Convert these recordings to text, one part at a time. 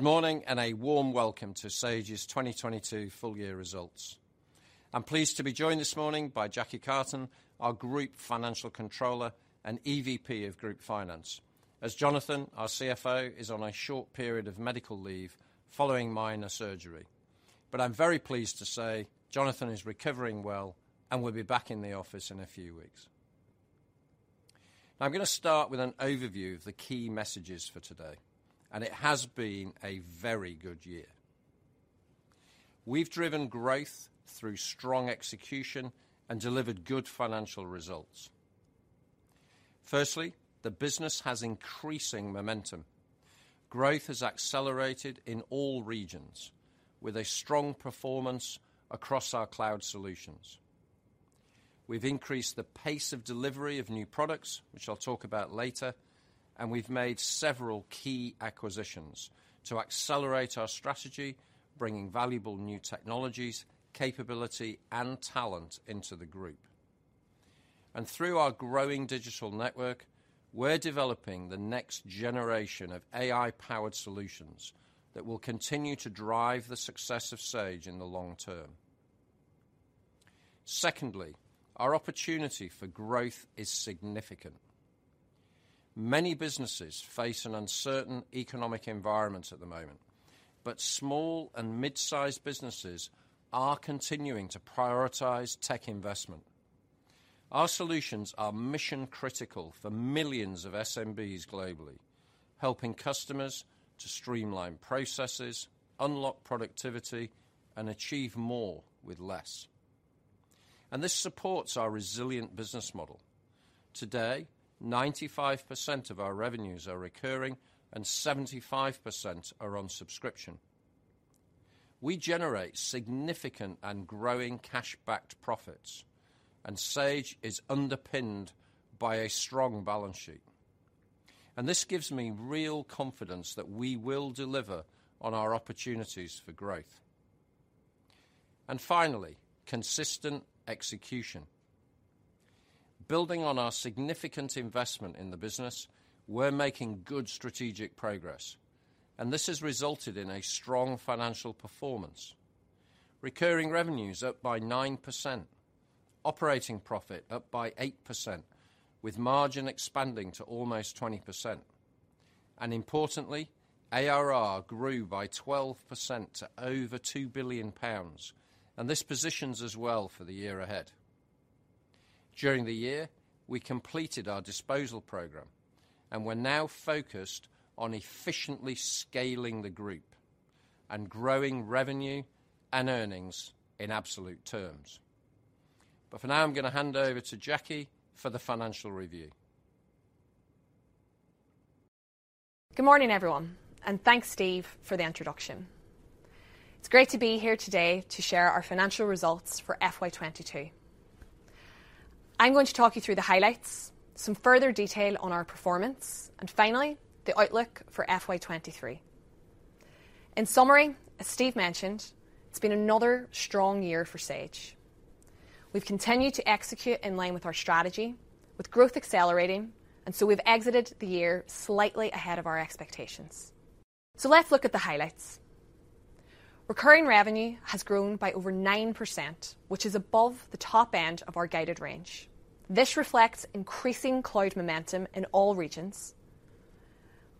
Good morning and a warm welcome to Sage's 2022 full year results. I'm pleased to be joined this morning by Jacqui Cartin, our Group Financial Controller and EVP of Group Finance. As Jonathan, our CFO, is on a short period of medical leave following minor surgery. I'm very pleased to say Jonathan is recovering well and will be back in the office in a few weeks. Now I'm gonna start with an overview of the key messages for today, and it has been a very good year. We've driven growth through strong execution and delivered good financial results. Firstly, the business has increasing momentum. Growth has accelerated in all regions with a strong performance across our cloud solutions. We've increased the pace of delivery of new products, which I'll talk about later, and we've made several key acquisitions to accelerate our strategy, bringing valuable new technologies, capability, and talent into the group. Through our growing digital network, we're developing the next generation of AI-powered solutions that will continue to drive the success of Sage in the long term. Secondly, our opportunity for growth is significant. Many businesses face an uncertain economic environment at the moment, but small and mid-sized businesses are continuing to prioritize tech investment. Our solutions are mission critical for millions of SMBs globally, helping customers to streamline processes, unlock productivity, and achieve more with less. This supports our resilient business model. Today, 95% of our revenues are recurring, and 75% are on subscription. We generate significant and growing cash-backed profits, and Sage is underpinned by a strong balance sheet. This gives me real confidence that we will deliver on our opportunities for growth. Finally, consistent execution. Building on our significant investment in the business, we're making good strategic progress, and this has resulted in a strong financial performance. Recurring revenues up by 9%. Operating profit up by 8% with margin expanding to almost 20%. Importantly, ARR grew by 12% to over 2 billion pounds, and this positions us well for the year ahead. During the year, we completed our disposal program, and we're now focused on efficiently scaling the group and growing revenue and earnings in absolute terms. For now, I'm gonna hand over to Jacqui for the financial review. Good morning, everyone, and thanks, Steve, for the introduction. It's great to be here today to share our financial results for FY 2022. I'm going to talk you through the highlights, some further detail on our performance, and finally, the outlook for FY 2023. In summary, as Steve mentioned, it's been another strong year for Sage. We've continued to execute in line with our strategy with growth accelerating, and so we've exited the year slightly ahead of our expectations. Let's look at the highlights. Recurring revenue has grown by over 9%, which is above the top end of our guided range. This reflects increasing cloud momentum in all regions.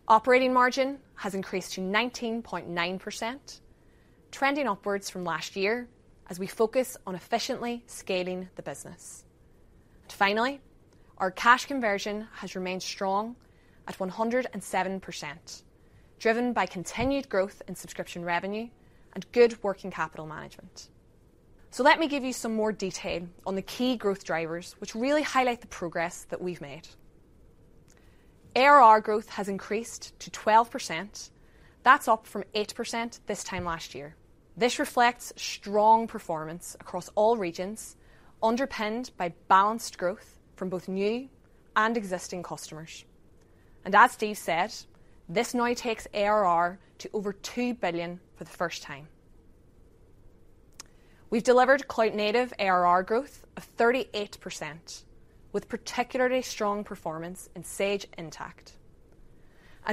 Operating margin has increased to 19.9%, trending upwards from last year as we focus on efficiently scaling the business. Finally, our cash conversion has remained strong at 107%, driven by continued growth in subscription revenue and good working capital management. Let me give you some more detail on the key growth drivers, which really highlight the progress that we've made. ARR growth has increased to 12%. That's up from 8% this time last year. This reflects strong performance across all regions, underpinned by balanced growth from both new and existing customers. As Steve said, this now takes ARR to over 2 billion for the first time. We've delivered cloud native ARR growth of 38% with particularly strong performance in Sage Intacct.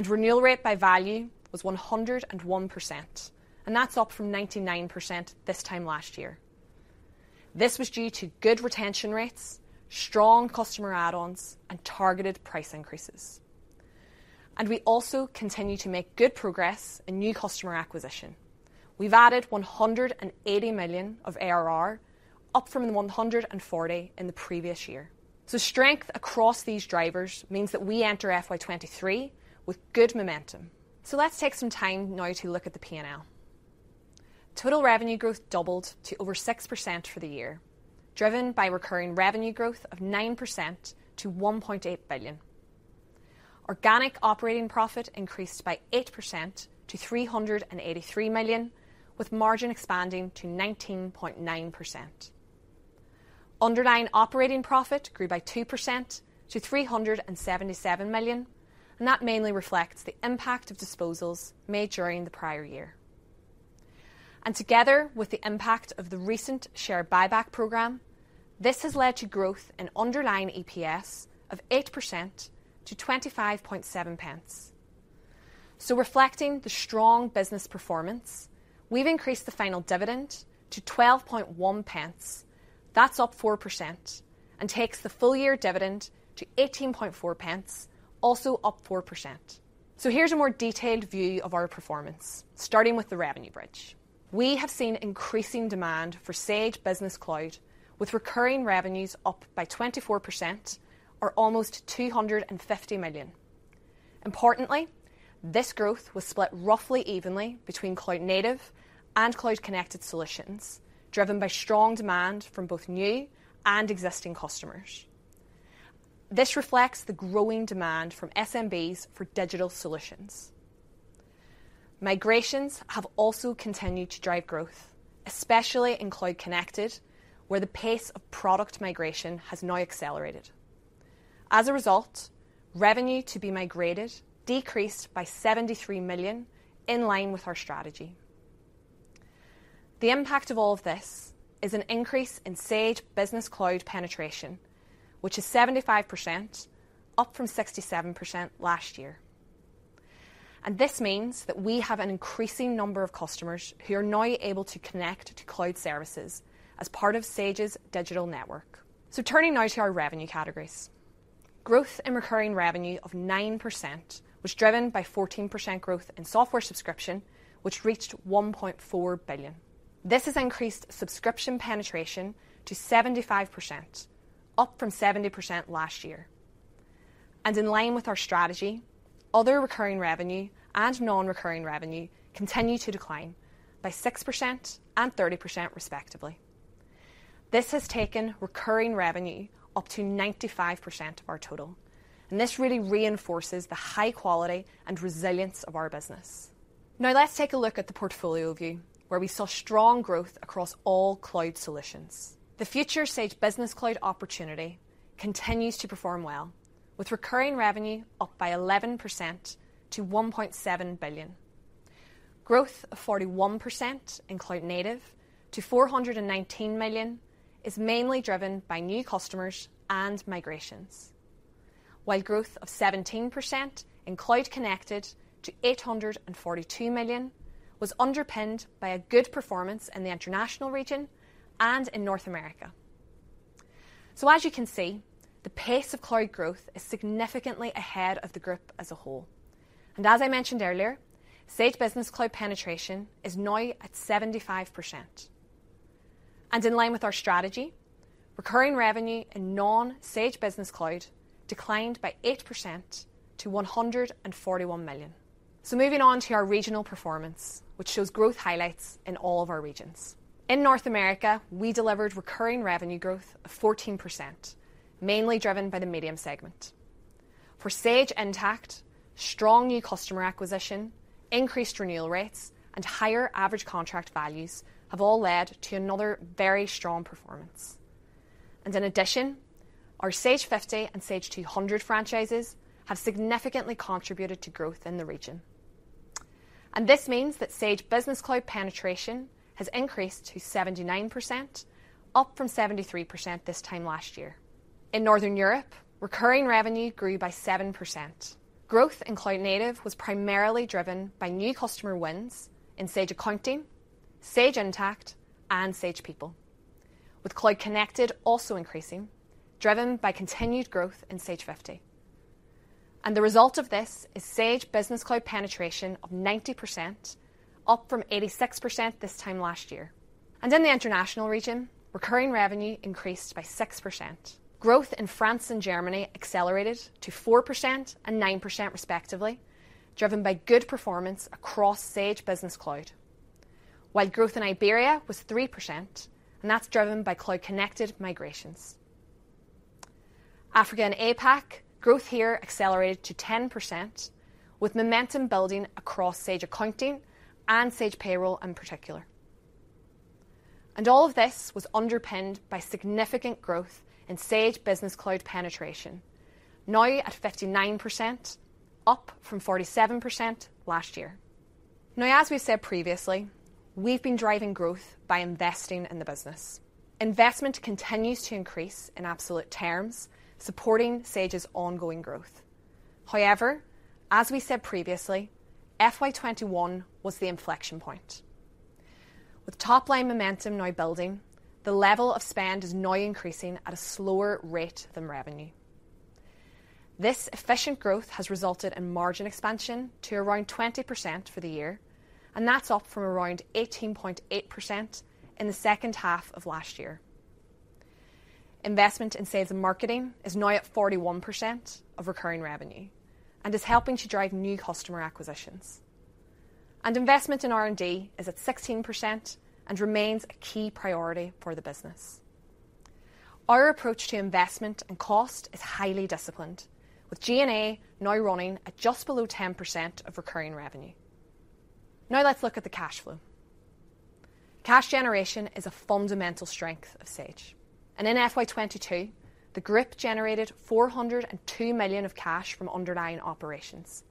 Renewal rate by value was 101%, and that's up from 99% this time last year. This was due to good retention rates, strong customer add-ons, and targeted price increases. We also continue to make good progress in new customer acquisition. We've added 180 million of ARR, up from the 140 million in the previous year. Strength across these drivers means that we enter FY 2023 with good momentum. Let's take some time now to look at the P&L. Total revenue growth doubled to over 6% for the year, driven by recurring revenue growth of 9% to 1.8 billion. Organic operating profit increased by 8% to 383 million with margin expanding to 19.9%. Underlying operating profit grew by 2% to 377 million, and that mainly reflects the impact of disposals made during the prior year. Together with the impact of the recent share buyback program, this has led to growth in underlying EPS of 8% to 0.257. Reflecting the strong business performance, we've increased the final dividend to 0.121. That's up 4% and takes the full year dividend to 0.184, also up 4%. Here's a more detailed view of our performance, starting with the revenue bridge. We have seen increasing demand for Sage Business Cloud, with recurring revenues up by 24% or almost 250 million. Importantly, this growth was split roughly evenly between Cloud Native and Cloud Connected solutions, driven by strong demand from both new and existing customers. This reflects the growing demand from SMBs for digital solutions. Migrations have also continued to drive growth, especially in Cloud Connected, where the pace of product migration has now accelerated. As a result, revenue to be migrated decreased by 73 million, in line with our strategy. The impact of all of this is an increase in Sage Business Cloud penetration, which is 75%, up from 67% last year. This means that we have an increasing number of customers who are now able to connect to cloud services as part of Sage's digital network. Turning now to our revenue categories. Growth in recurring revenue of 9% was driven by 14% growth in software subscription, which reached 1.4 billion. This has increased subscription penetration to 75%, up from 70% last year. In line with our strategy, other recurring revenue and non-recurring revenue continued to decline by 6% and 30% respectively. This has taken recurring revenue up to 95% of our total, and this really reinforces the high quality and resilience of our business. Now let's take a look at the portfolio view, where we saw strong growth across all cloud solutions. The future Sage Business Cloud opportunity continues to perform well, with recurring revenue up by 11% to 1.7 billion. Growth of 41% in Cloud Native to 419 million is mainly driven by new customers and migrations. While growth of 17% in Cloud Connected to 842 million was underpinned by a good performance in the international region and in North America. As you can see, the pace of cloud growth is significantly ahead of the group as a whole. As I mentioned earlier, Sage Business Cloud penetration is now at 75%. In line with our strategy, recurring revenue in non-Sage Business Cloud declined by 8% to 141 million. Moving on to our regional performance, which shows growth highlights in all of our regions. In North America, we delivered recurring revenue growth of 14%, mainly driven by the medium segment. For Sage Intacct, strong new customer acquisition, increased renewal rates, and higher average contract values have all led to another very strong performance. In addition, our Sage 50 and Sage 200 franchises have significantly contributed to growth in the region. This means that Sage Business Cloud penetration has increased to 79%, up from 73% this time last year. In Northern Europe, recurring revenue grew by 7%. Growth in Cloud Native was primarily driven by new customer wins in Sage Accounting, Sage Intacct, and Sage People, with Cloud Connected also increasing, driven by continued growth in Sage 50. The result of this is Sage Business Cloud penetration of 90%, up from 86% this time last year. In the international region, recurring revenue increased by 6%. Growth in France and Germany accelerated to 4% and 9% respectively, driven by good performance across Sage Business Cloud. While growth in Iberia was 3%, and that's driven by Cloud Connected migrations. Africa and APAC, growth here accelerated to 10%, with momentum building across Sage Accounting and Sage Payroll in particular. All of this was underpinned by significant growth in Sage Business Cloud penetration, now at 59%, up from 47% last year. Now as we said previously, we've been driving growth by investing in the business. Investment continues to increase in absolute terms, supporting Sage's ongoing growth. However, as we said previously, FY 2021 was the inflection point. With top-line momentum now building, the level of spend is now increasing at a slower rate than revenue. This efficient growth has resulted in margin expansion to around 20% for the year, and that's up from around 18.8% in the second half of last year. Investment in sales and marketing is now at 41% of recurring revenue and is helping to drive new customer acquisitions. Investment in R&D is at 16% and remains a key priority for the business. Our approach to investment and cost is highly disciplined, with G&A now running at just below 10% of recurring revenue. Now let's look at the cash flow. Cash generation is a fundamental strength of Sage. In FY22, the Group generated 402 million of cash from underlying operations.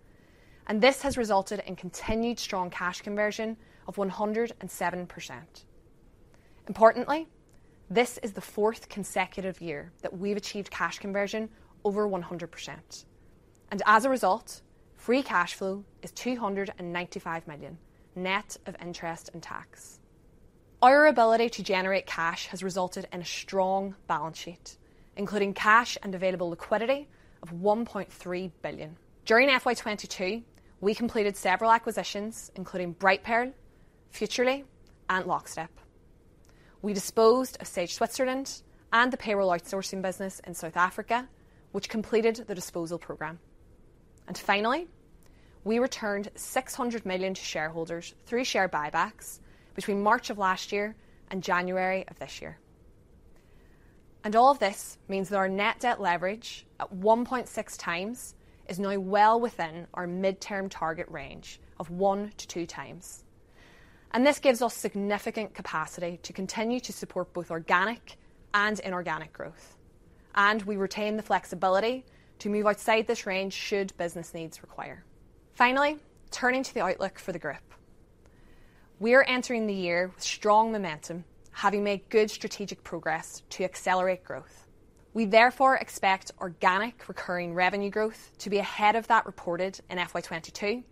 This has resulted in continued strong cash conversion of 107%. Importantly, this is the fourth consecutive year that we've achieved cash conversion over 100%. As a result, free cash flow is 295 million, net of interest and tax. Our ability to generate cash has resulted in a strong balance sheet, including cash and available liquidity of 1.3 billion. During FY22, we completed several acquisitions, including Brightpearl, Futrli, and Lockstep. We disposed of Sage Switzerland and the payroll outsourcing business in South Africa, which completed the disposal program. Finally, we returned 600 million to shareholders through share buybacks between March of last year and January of this year. All of this means that our net debt leverage at 1.6 times is now well within our midterm target range of 1-2 times. This gives us significant capacity to continue to support both organic and inorganic growth. We retain the flexibility to move outside this range should business needs require. Finally, turning to the outlook for the Group. We are entering the year with strong momentum, having made good strategic progress to accelerate growth. We therefore expect organic recurring revenue growth to be ahead of that reported in FY22.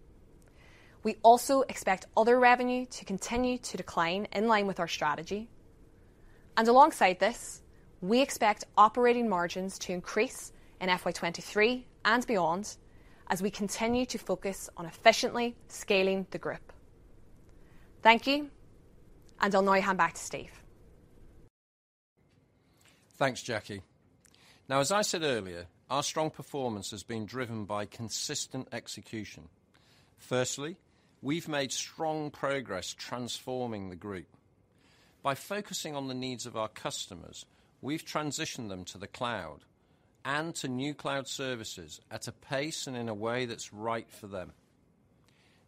We also expect other revenue to continue to decline in line with our strategy. Alongside this, we expect operating margins to increase in FY23 and beyond as we continue to focus on efficiently scaling the Group. Thank you, and I'll now hand back to Steve. Thanks, Jacqui. Now, as I said earlier, our strong performance has been driven by consistent execution. Firstly, we've made strong progress transforming the Group. By focusing on the needs of our customers, we've transitioned them to the cloud and to new cloud services at a pace and in a way that's right for them.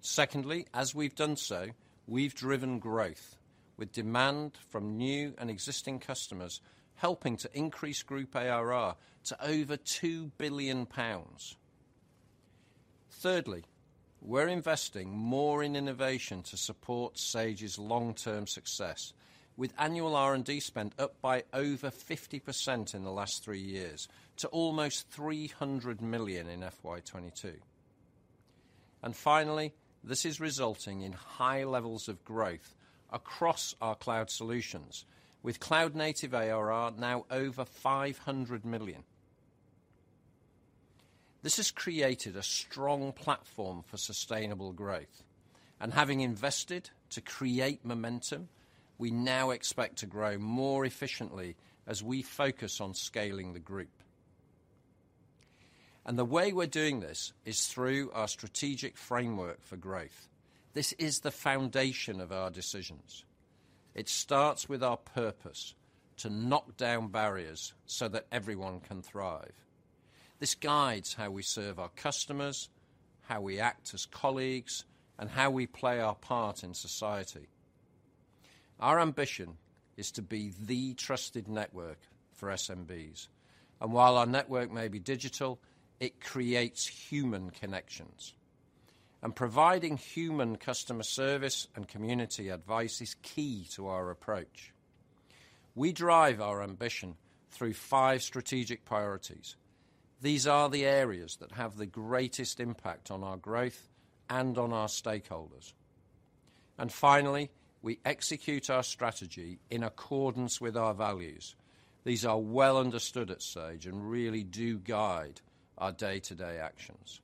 Secondly, as we've done so, we've driven growth with demand from new and existing customers, helping to increase Group ARR to over 2 billion pounds. Thirdly, we're investing more in innovation to support Sage's long-term success, with annual R&D spend up by over 50% in the last three years to almost 300 million in FY22. Finally, this is resulting in high levels of growth across our cloud solutions with cloud-native ARR now over 500 million. This has created a strong platform for sustainable growth, and having invested to create momentum, we now expect to grow more efficiently as we focus on scaling the Group. The way we're doing this is through our strategic framework for growth. This is the foundation of our decisions. It starts with our purpose, to knock down barriers so that everyone can thrive. This guides how we serve our customers, how we act as colleagues, and how we play our part in society. Our ambition is to be the trusted network for SMBs, and while our network may be digital, it creates human connections. Providing human customer service and community advice is key to our approach. We drive our ambition through five strategic priorities. These are the areas that have the greatest impact on our growth and on our stakeholders. Finally, we execute our strategy in accordance with our values. These are well understood at Sage and really do guide our day-to-day actions.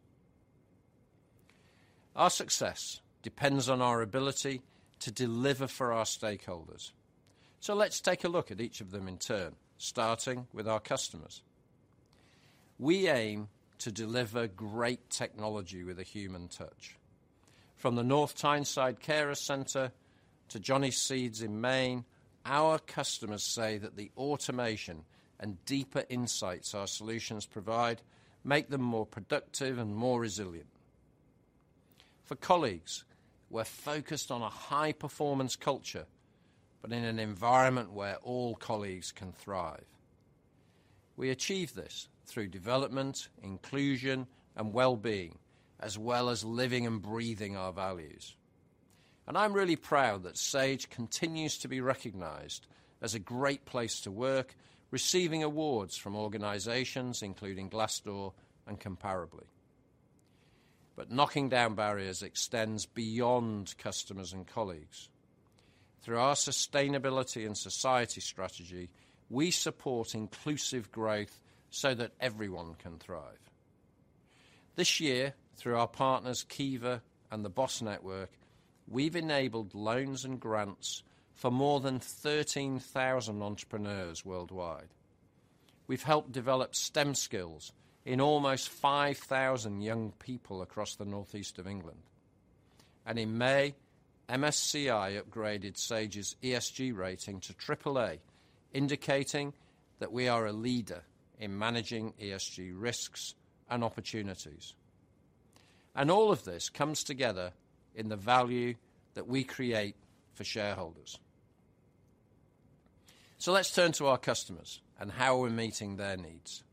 Our success depends on our ability to deliver for our stakeholders. Let's take a look at each of them in turn, starting with our customers. We aim to deliver great technology with a human touch. From the North Tyneside Carers' Centre to Johnny's Selected Seeds in Maine, our customers say that the automation and deeper insights our solutions provide make them more productive and more resilient. For colleagues, we're focused on a high-performance culture, but in an environment where all colleagues can thrive. We achieve this through development, inclusion, and well-being, as well as living and breathing our values. I'm really proud that Sage continues to be recognized as a great place to work, receiving awards from organizations including Glassdoor and Comparably. Knocking down barriers extends beyond customers and colleagues. Through our sustainability and society strategy, we support inclusive growth so that everyone can thrive. This year, through our partners Kiva and The BOSS Network, we've enabled loans and grants for more than 13,000 entrepreneurs worldwide. We've helped develop STEM skills in almost 5,000 young people across the northeast of England. In May, MSCI upgraded Sage's ESG rating to AAA, indicating that we are a leader in managing ESG risks and opportunities. All of this comes together in the value that we create for shareholders. Let's turn to our customers and how we're meeting their needs.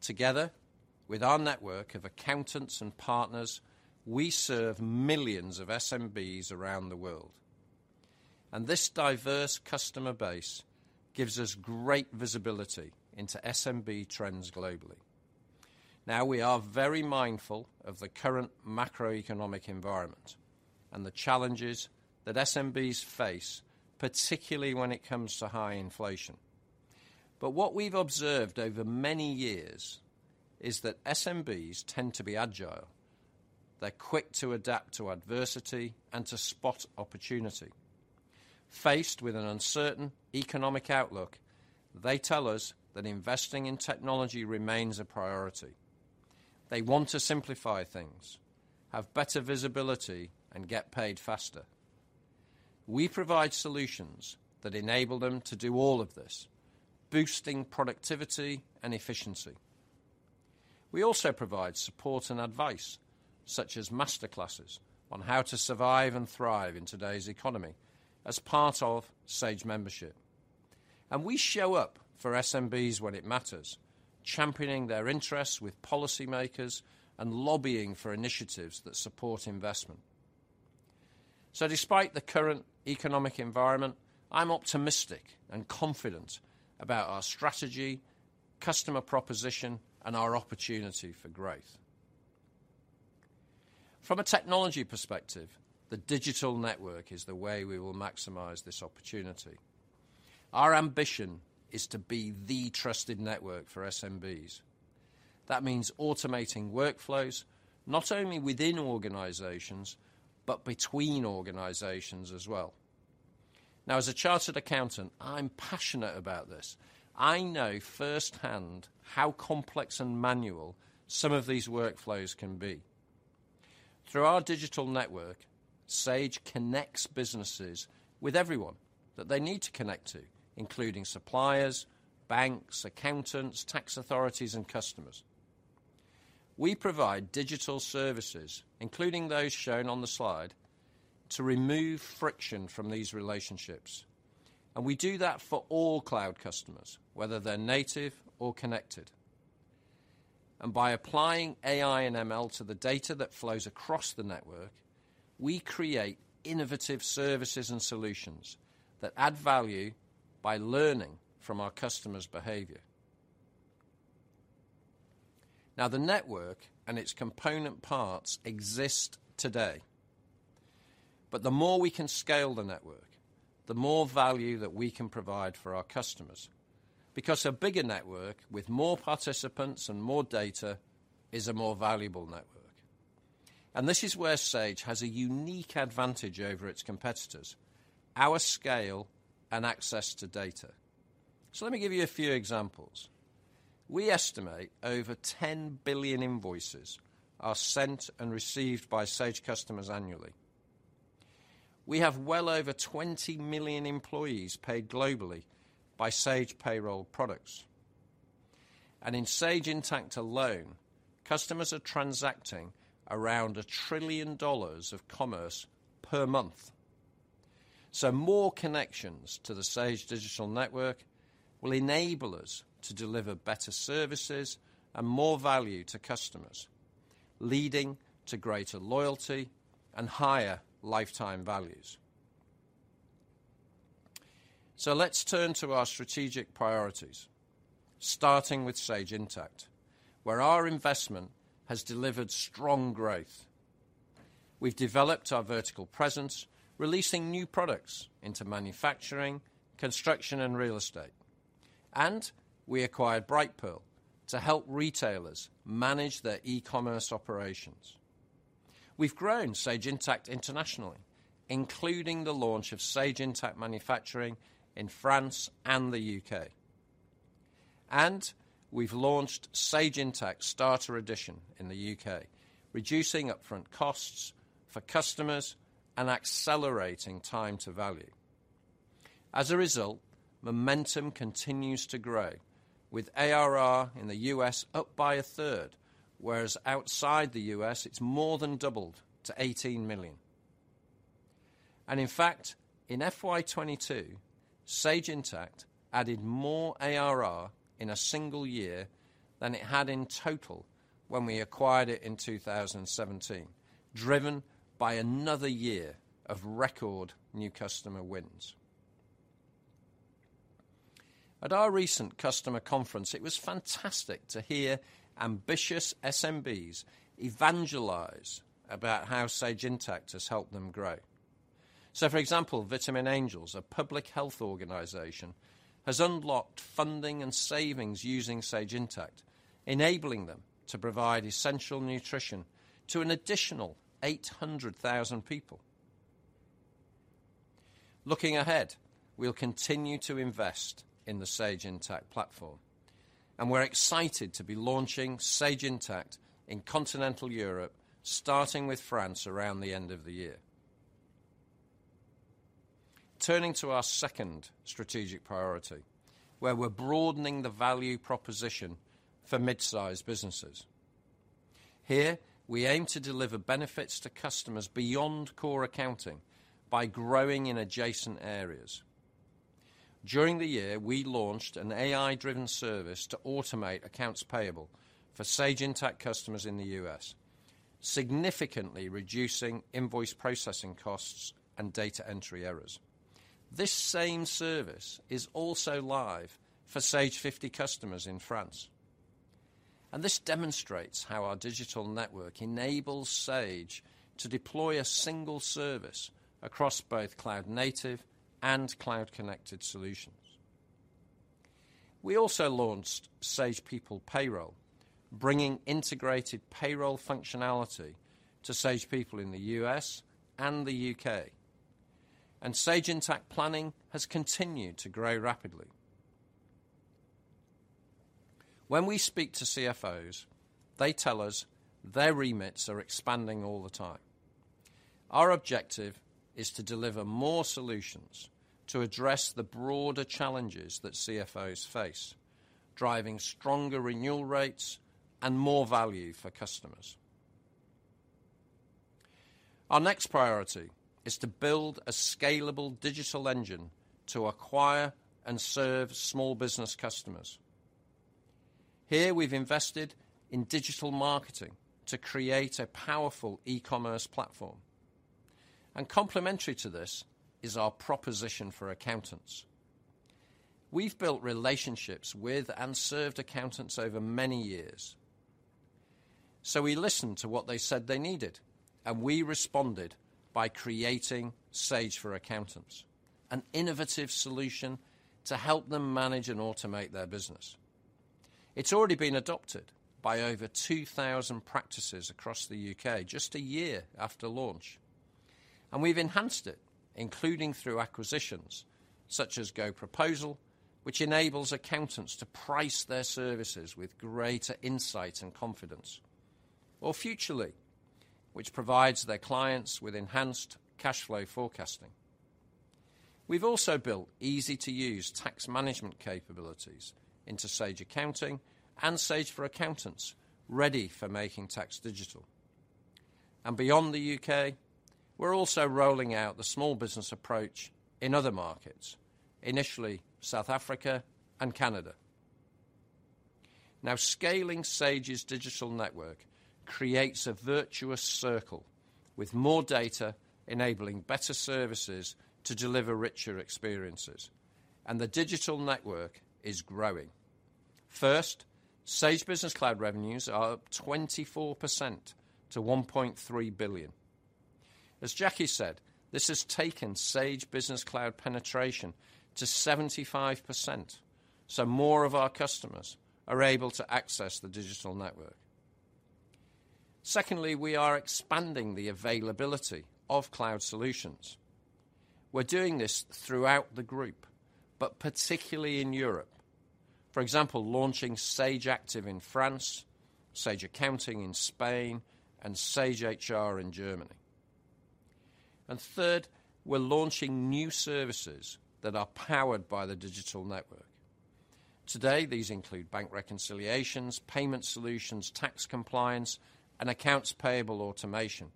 Together with our network of accountants and partners, we serve millions of SMBs around the world. This diverse customer base gives us great visibility into SMB trends globally. Now, we are very mindful of the current macroeconomic environment and the challenges that SMBs face, particularly when it comes to high inflation. What we've observed over many years is that SMBs tend to be agile. They're quick to adapt to adversity and to spot opportunity. Faced with an uncertain economic outlook, they tell us that investing in technology remains a priority. They want to simplify things, have better visibility, and get paid faster. We provide solutions that enable them to do all of this, boosting productivity and efficiency. We also provide support and advice, such as master classes on how to survive and thrive in today's economy as part of Sage membership. We show up for SMBs when it matters, championing their interests with policymakers and lobbying for initiatives that support investment. Despite the current economic environment, I'm optimistic and confident about our strategy, customer proposition, and our opportunity for growth. From a technology perspective, the digital network is the way we will maximize this opportunity. Our ambition is to be the trusted network for SMBs. That means automating workflows, not only within organizations, but between organizations as well. Now, as a chartered accountant, I'm passionate about this. I know firsthand how complex and manual some of these workflows can be. Through our digital network, Sage connects businesses with everyone that they need to connect to, including suppliers, banks, accountants, tax authorities, and customers. We provide digital services, including those shown on the slide, to remove friction from these relationships, and we do that for all cloud customers, whether they're native or connected. By applying AI and ML to the data that flows across the network, we create innovative services and solutions that add value by learning from our customers' behavior. Now, the network and its component parts exist today. The more we can scale the network, the more value that we can provide for our customers. Because a bigger network with more participants and more data is a more valuable network. This is where Sage has a unique advantage over its competitors, our scale and access to data. Let me give you a few examples. We estimate over 10 billion invoices are sent and received by Sage customers annually. We have well over 20 million employees paid globally by Sage Payroll products. In Sage Intacct alone, customers are transacting around $1 trillion of commerce per month. More connections to the Sage digital network will enable us to deliver better services and more value to customers, leading to greater loyalty and higher lifetime values. Let's turn to our strategic priorities, starting with Sage Intacct, where our investment has delivered strong growth. We've developed our vertical presence, releasing new products into manufacturing, construction, and real estate. We acquired Brightpearl to help retailers manage their e-commerce operations. We've grown Sage Intacct internationally, including the launch of Sage Intacct Manufacturing in France and the U.K. We've launched Sage Intacct Starter Edition in the U.K., reducing upfront costs for customers and accelerating time to value. As a result, momentum continues to grow with ARR in the U.S. up by a third, whereas outside the U.S., it's more than doubled to 18 million. In fact, in FY 2022, Sage Intacct added more ARR in a single year than it had in total when we acquired it in 2017, driven by another year of record new customer wins. At our recent customer conference, it was fantastic to hear ambitious SMBs evangelize about how Sage Intacct has helped them grow. For example, Vitamin Angels, a public health organization, has unlocked funding and savings using Sage Intacct, enabling them to provide essential nutrition to an additional 800,000 people. Looking ahead, we'll continue to invest in the Sage Intacct platform, and we're excited to be launching Sage Intacct in continental Europe, starting with France around the end of the year. Turning to our second strategic priority, where we're broadening the value proposition for mid-size businesses. Here, we aim to deliver benefits to customers beyond core accounting by growing in adjacent areas. During the year, we launched an AI-driven service to automate accounts payable for Sage Intacct customers in the U.S., significantly reducing invoice processing costs and data entry errors. This same service is also live for Sage 50 customers in France. This demonstrates how our digital network enables Sage to deploy a single service across both cloud-native and cloud-connected solutions. We also launched Sage People Payroll, bringing integrated payroll functionality to Sage People in the U.S. and the U.K. Sage Intacct Planning has continued to grow rapidly. When we speak to CFOs, they tell us their remits are expanding all the time. Our objective is to deliver more solutions to address the broader challenges that CFOs face, driving stronger renewal rates and more value for customers. Our next priority is to build a scalable digital engine to acquire and serve small business customers. Here, we've invested in digital marketing to create a powerful e-commerce platform. Complementary to this is our proposition for accountants. We've built relationships with and served accountants over many years. We listened to what they said they needed, and we responded by creating Sage for Accountants, an innovative solution to help them manage and automate their business. It's already been adopted by over 2,000 practices across the U.K. just a year after launch. We've enhanced it, including through acquisitions such as GoProposal, which enables accountants to price their services with greater insight and confidence. Futrli, which provides their clients with enhanced cash flow forecasting. We've also built easy-to-use tax management capabilities into Sage Accounting and Sage for Accountants ready for Making Tax Digital. Beyond the U.K., we're also rolling out the small business approach in other markets. Initially, South Africa and Canada. Scaling Sage's digital network creates a virtuous circle with more data enabling better services to deliver richer experiences, and the digital network is growing. First, Sage Business Cloud revenues are up 24% to 1.3 billion. As Jacqui said, this has taken Sage Business Cloud penetration to 75%, so more of our customers are able to access the digital network. Secondly, we are expanding the availability of cloud solutions. We're doing this throughout the group, but particularly in Europe. For example, launching Sage Active in France, Sage Accounting in Spain, and Sage HR in Germany. Third, we're launching new services that are powered by the digital network. Today, these include bank reconciliations, payment solutions, tax compliance, and accounts payable automation.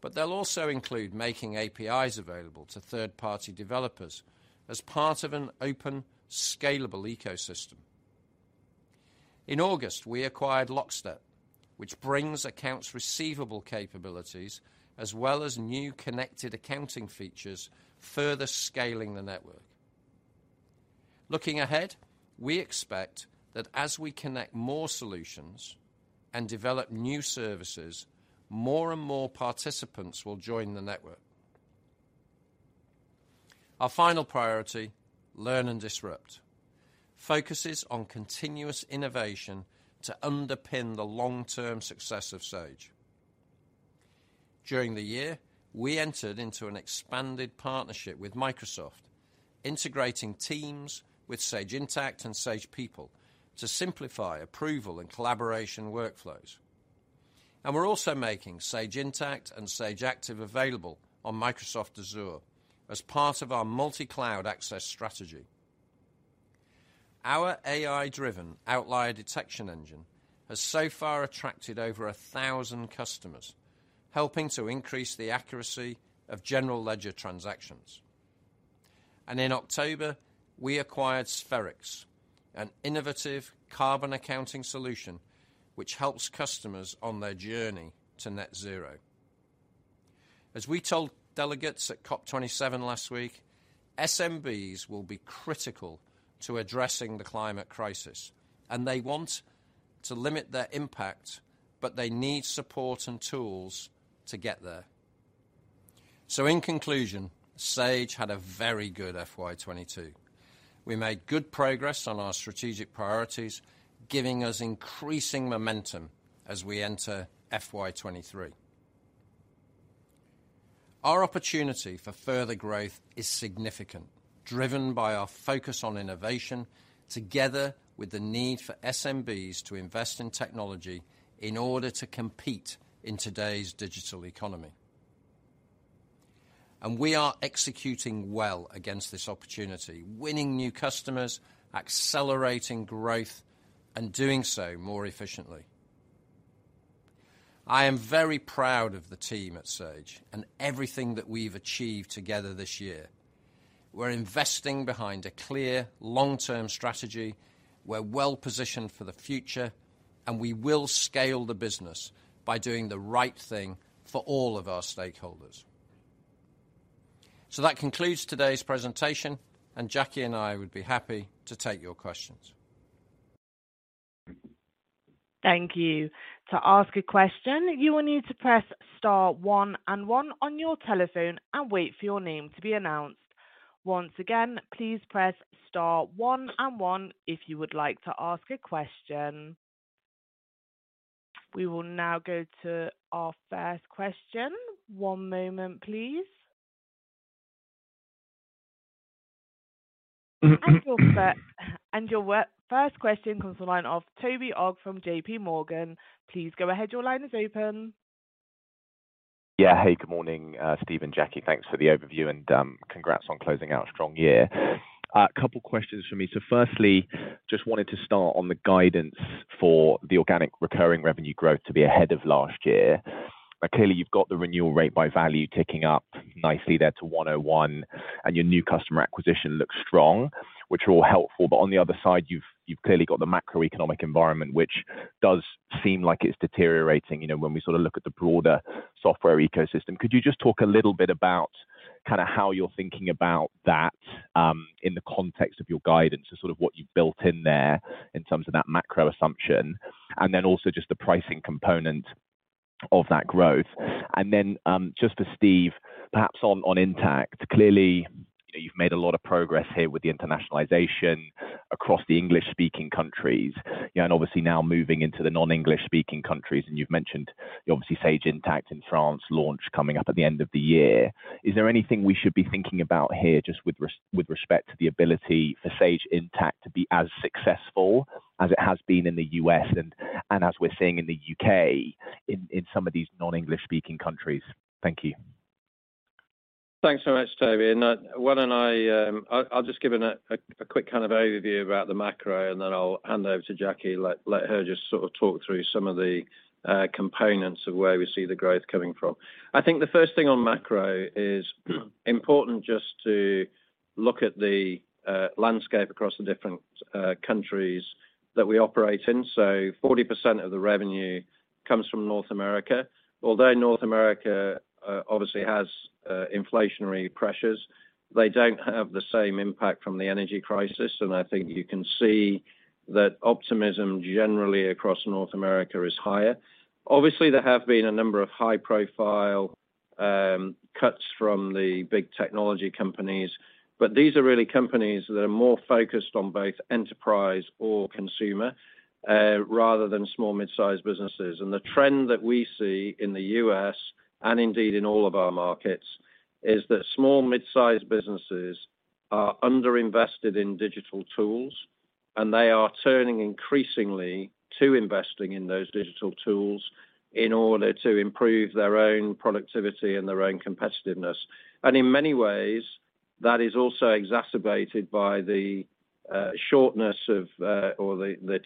But they'll also include making APIs available to third-party developers as part of an open, scalable ecosystem. In August, we acquired Lockstep, which brings accounts receivable capabilities as well as new connected accounting features, further scaling the network. Looking ahead, we expect that as we connect more solutions and develop new services, more and more participants will join the network. Our final priority, learn and disrupt, focuses on continuous innovation to underpin the long-term success of Sage. During the year, we entered into an expanded partnership with Microsoft, integrating Teams with Sage Intacct and Sage People to simplify approval and collaboration workflows. We're also making Sage Intacct and Sage Active available on Microsoft Azure as part of our multi-cloud access strategy. Our AI-driven outlier detection engine has so far attracted over a thousand customers, helping to increase the accuracy of general ledger transactions. In October, we acquired Spherics, an innovative carbon accounting solution which helps customers on their journey to net zero. As we told delegates at COP27 last week, SMBs will be critical to addressing the climate crisis, and they want to limit their impact, but they need support and tools to get there. In conclusion, Sage had a very good FY22. We made good progress on our strategic priorities, giving us increasing momentum as we enter FY23. Our opportunity for further growth is significant. Driven by our focus on innovation, together with the need for SMBs to invest in technology in order to compete in today's digital economy. We are executing well against this opportunity, winning new customers, accelerating growth, and doing so more efficiently. I am very proud of the team at Sage and everything that we've achieved together this year. We're investing behind a clear long-term strategy. We're well positioned for the future, and we will scale the business by doing the right thing for all of our stakeholders. That concludes today's presentation, and Jacqui and I would be happy to take your questions. Thank you. To ask a question, you will need to press star one and one on your telephone and wait for your name to be announced. Once again, please press star one and one if you would like to ask a question. We will now go to our first question. One moment, please. Your first question comes on the line of Toby Ogg from JPMorgan. Please go ahead. Your line is open. Yeah. Hey, good morning, Steve and Jacqui. Thanks for the overview, and congrats on closing out a strong year. A couple questions for me. Firstly, just wanted to start on the guidance for the organic recurring revenue growth to be ahead of last year. Clearly, you've got the renewal rate by value ticking up nicely there to 101, and your new customer acquisition looks strong, which are all helpful. On the other side, you've clearly got the macroeconomic environment, which does seem like it's deteriorating, you know, when we sort of look at the broader software ecosystem. Could you just talk a little bit about kinda how you're thinking about that, in the context of your guidance and sort of what you've built in there in terms of that macro assumption, and then also just the pricing component of that growth. Just for Steve, perhaps on Intacct. Clearly, you've made a lot of progress here with the internationalization across the English-speaking countries. Yeah, and obviously now moving into the non-English speaking countries, and you've mentioned the obviously Sage Intacct in France launch coming up at the end of the year. Is there anything we should be thinking about here just with respect to the ability for Sage Intacct to be as successful as it has been in the U.S. and as we're seeing in the U.K. in some of these non-English speaking countries? Thank you. Thanks so much, Toby. Why don't I'll just give a quick kind of overview about the macro, and then I'll hand over to Jacqui, let her just sort of talk through some of the components of where we see the growth coming from. I think the first thing on macro is important just to look at the landscape across the different countries that we operate in. 40% of the revenue comes from North America. Although North America obviously has inflationary pressures, they don't have the same impact from the energy crisis, and I think you can see that optimism generally across North America is higher. Obviously, there have been a number of high-profile cuts from the big technology companies, but these are really companies that are more focused on both enterprise or consumer rather than small mid-sized businesses. The trend that we see in the U.S. and indeed in all of our markets, is that small mid-sized businesses are underinvested in digital tools, and they are turning increasingly to investing in those digital tools in order to improve their own productivity and their own competitiveness. In many ways, that is also exacerbated by the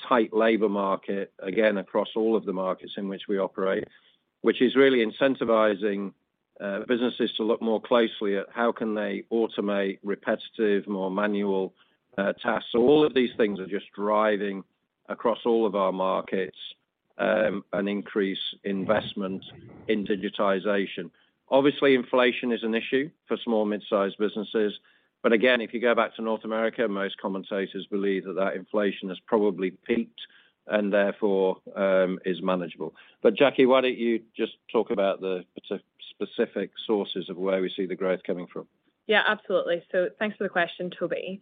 tight labor market, again, across all of the markets in which we operate, which is really incentivizing businesses to look more closely at how can they automate repetitive, more manual tasks. All of these things are just driving across all of our markets, an increase investment in digitization. Obviously, inflation is an issue for small mid-sized businesses. Again, if you go back to North America, most commentators believe that inflation has probably peaked and therefore, is manageable. Jacqui, why don't you just talk about the specific sources of where we see the growth coming from? Yeah, absolutely. Thanks for the question, Toby.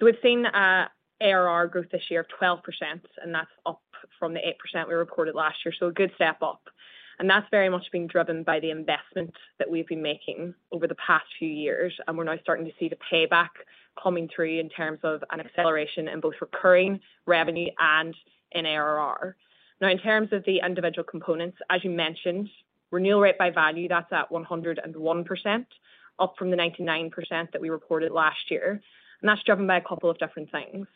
We've seen a ARR growth this year of 12%, and that's up from the 8% we reported last year. A good step up. That's very much being driven by the investment that we've been making over the past few years, and we're now starting to see the payback coming through in terms of an acceleration in both recurring revenue and in ARR. Now, in terms of the individual components, as you mentioned, renewal rate by value, that's at 101%, up from the 99% that we reported last year. That's driven by a couple of different things.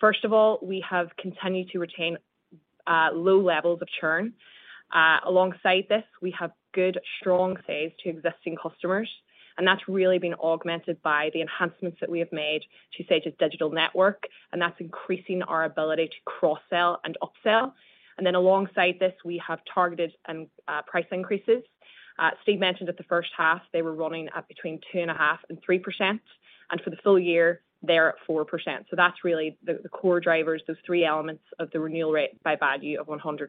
First of all, we have continued to retain low levels of churn. Alongside this, we have good, strong sales to existing customers, and that's really been augmented by the enhancements that we have made to Sage's digital network, and that's increasing our ability to cross-sell and upsell. Alongside this, we have targeted price increases. Steve mentioned at the first half, they were running at between 2.5% and 3%, and for the full year, they're at 4%. That's really the core drivers, those three elements of the renewal rate by value of 101%.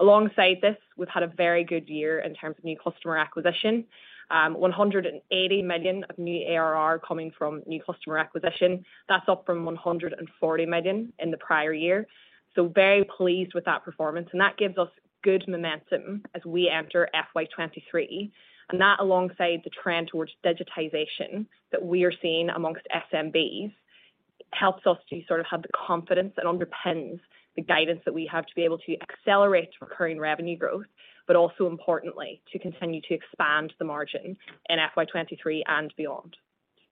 Alongside this, we've had a very good year in terms of new customer acquisition. 180 million of new ARR coming from new customer acquisition. That's up from 140 million in the prior year. Very pleased with that performance, and that gives us good momentum as we enter FY 2023. That alongside the trend towards digitization that we are seeing amongst SMBs helps us to sort of have the confidence that underpins the guidance that we have to be able to accelerate recurring revenue growth, but also importantly, to continue to expand the margin in FY 2023 and beyond.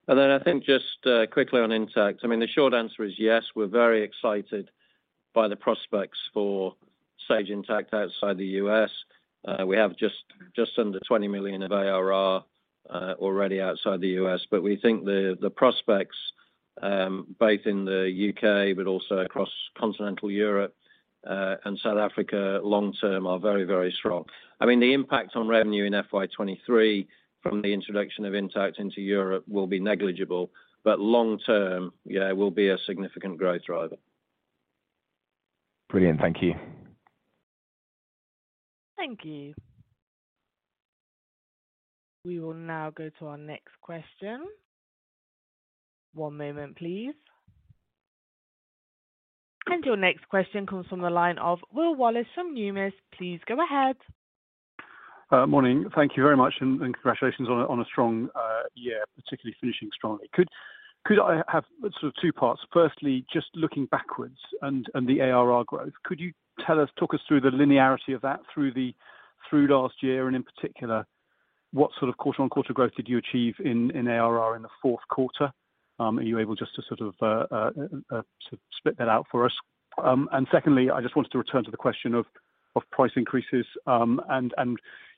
I think just quickly on Intacct. I mean, the short answer is yes, we're very excited by the prospects for Sage Intacct outside the U.S. We have just under 20 million of ARR already outside the U.S. We think the prospects both in the U.K., but also across continental Europe and South Africa long term are very, very strong. I mean, the impact on revenue in FY 2023 from the introduction of Intacct into Europe will be negligible, but long term, yeah, it will be a significant growth driver. Brilliant. Thank you. Thank you. We will now go to our next question. One moment please. Your next question comes from the line of Will Wallis from Numis. Please go ahead. Morning. Thank you very much, and congratulations on a strong year, particularly finishing strongly. Could I have sort of two parts? First, just looking backwards and the ARR growth. Could you talk us through the linearity of that through the last year, and in particular, what sort of quarter-on-quarter growth did you achieve in ARR in the fourth quarter? Are you able just to sort of split that out for us? And second, I just wanted to return to the question of price increases, and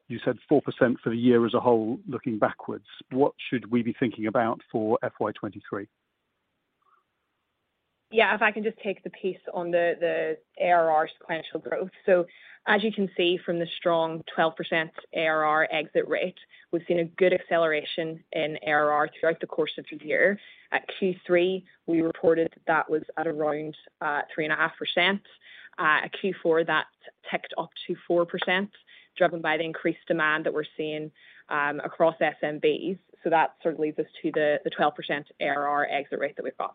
you said 4% for the year as a whole looking backwards. What should we be thinking about for FY 2023? Yeah, if I can just take the piece on the ARR sequential growth. As you can see from the strong 12% ARR exit rate, we've seen a good acceleration in ARR throughout the course of the year. At Q3, we reported that was at around 3.5%. At Q4, that ticked up to 4%, driven by the increased demand that we're seeing across SMBs. That sort of leads us to the 12% ARR exit rate that we've got.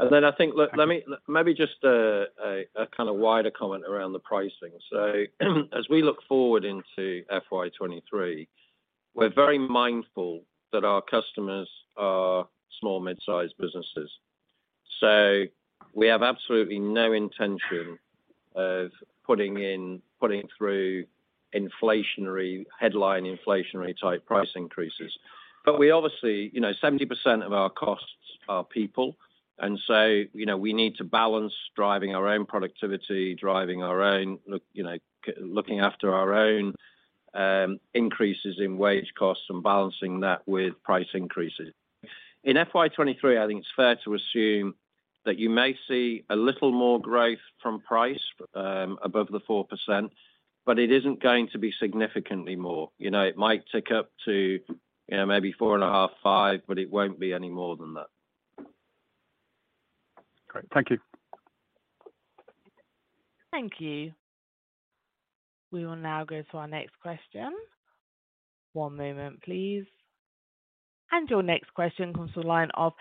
I think, look, let me maybe just a kind of wider comment around the pricing. As we look forward into FY 2023, we're very mindful that our customers are small, mid-sized businesses. We have absolutely no intention of putting through headline inflationary type price increases. But we obviously, you know, 70% of our costs are people, and so, you know, we need to balance driving our own productivity, driving our own looking after our own increases in wage costs and balancing that with price increases. In FY 2023, I think it's fair to assume that you may see a little more growth from price above the 4%, but it isn't going to be significantly more. You know, it might tick up to, you know, maybe 4.5-5, but it won't be any more than that. Great. Thank you. Thank you. We will now go to our next question. One moment, please. Your next question comes to the line of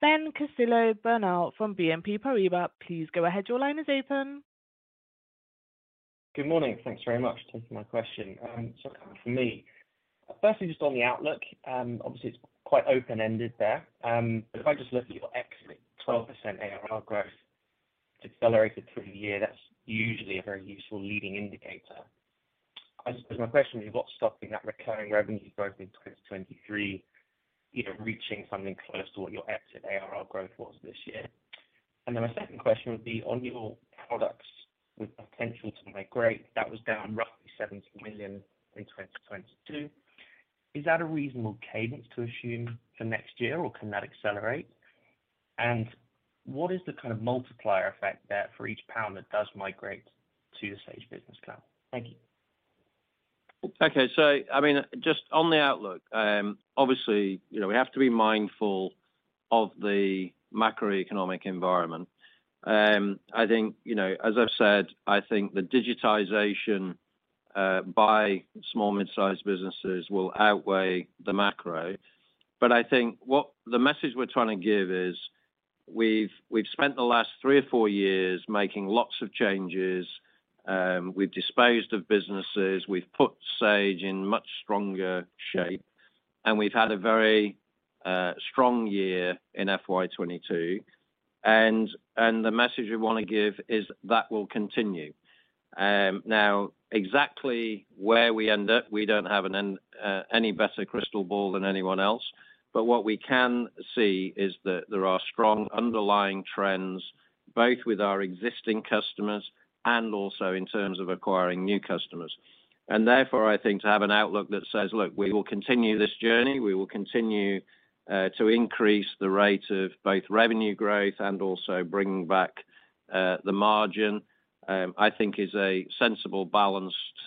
Ben Castillo-Bernaus from BNP Paribas. Please go ahead. Your line is open. Good morning. Thanks very much for taking my question. So coming from me, firstly just on the outlook, obviously it's quite open-ended there. But if I just look at your exit 12% ARR growth, it's accelerated through the year. That's usually a very useful leading indicator. I suppose my question is, what's stopping that recurring revenue growth in 2023, you know, reaching something close to what your exit ARR growth was this year? And then my second question would be on your products with potential to migrate, that was down roughly 70 million in 2022. Is that a reasonable cadence to assume for next year, or can that accelerate? And what is the kind of multiplier effect there for each pound that does migrate to the Sage Business Cloud? Thank you. Okay. I mean, just on the outlook, obviously, you know, we have to be mindful of the macroeconomic environment. I think, you know, as I've said, I think the digitization by small, mid-sized businesses will outweigh the macro. I think what the message we're trying to give is we've spent the last three or four years making lots of changes, we've disposed of businesses, we've put Sage in much stronger shape, and we've had a very strong year in FY 2022, and the message we wanna give is that will continue. Now exactly where we end up, we don't have any better crystal ball than anyone else. What we can see is that there are strong underlying trends, both with our existing customers and also in terms of acquiring new customers. Therefore, I think to have an outlook that says, "Look, we will continue this journey, we will continue to increase the rate of both revenue growth and also bringing back the margin," I think is a sensible, balanced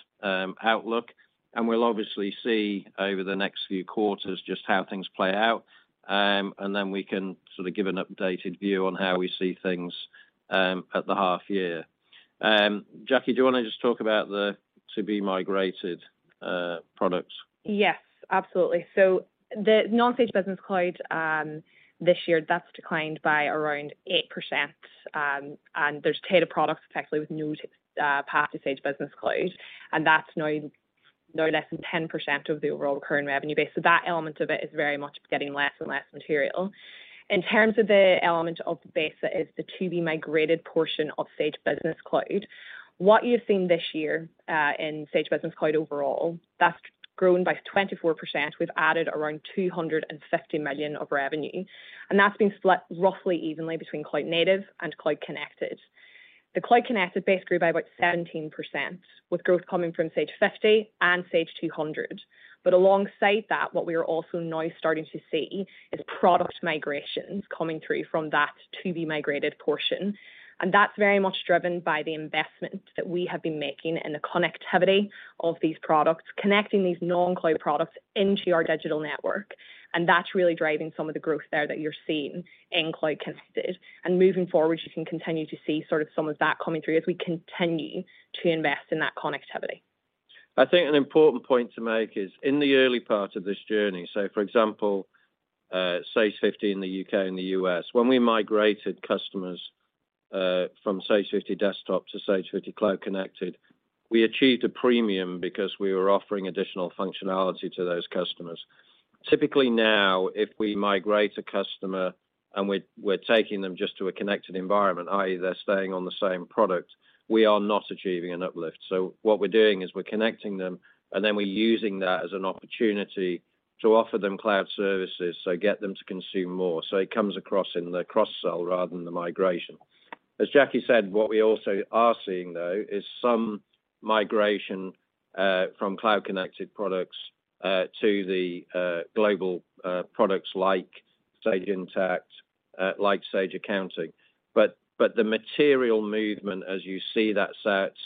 outlook. We'll obviously see over the next few quarters just how things play out, and then we can sort of give an updated view on how we see things at the half year. Jacqui, do you wanna just talk about the to-be-migrated products? Yes, absolutely. The non-Sage Business Cloud this year, that's declined by around 8%, and there's a tier of products effectively with no path to Sage Business Cloud, and that's now no less than 10% of the overall recurring revenue base. That element of it is very much getting less and less material. In terms of the element of the base that is the to-be-migrated portion of Sage Business Cloud, what you're seeing this year in Sage Business Cloud overall, that's grown by 24%. We've added around 250 million of revenue, and that's been split roughly evenly between cloud native and cloud connected. The cloud connected base grew by about 17%, with growth coming from Sage 50 and Sage 200. Alongside that, what we are also now starting to see is product migrations coming through from that to-be-migrated portion, and that's very much driven by the investments that we have been making in the connectivity of these products, connecting these non-cloud products into our digital network. That's really driving some of the growth there that you're seeing in cloud connected. Moving forward, you can continue to see sort of some of that coming through as we continue to invest in that connectivity. I think an important point to make is in the early part of this journey, so for example, Sage 50 in the U.K. and the U.S. when we migrated customers from Sage 50 desktop to Sage 50 cloud-connected, we achieved a premium because we were offering additional functionality to those customers. Typically, now, if we migrate a customer and we're taking them just to a connected environment, i.e., they're staying on the same product, we are not achieving an uplift. What we're doing is we're connecting them, and then we're using that as an opportunity to offer them cloud services, so get them to consume more. It comes across in the cross-sell rather than the migration. As Jacqui said, what we also are seeing, though, is some migration from cloud-connected products to the global products like Sage Intacct, like Sage Accounting. The material movement, as you see that